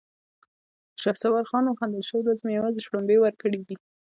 شهسوار خان وخندل: شل ورځې مې يواځې شړومبې ورکړې دي!